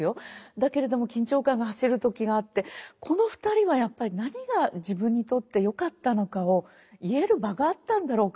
だけれども緊張感が走る時があってこの２人はやっぱり何が自分にとってよかったのかを言える場があったんだろうか。